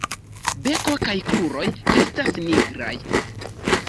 Beko kaj kruroj estas nigraj.